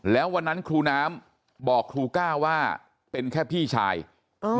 แล้ววันนั้นครูน้ำบอกครูก้าวว่าเป็นแค่พี่ชายเออ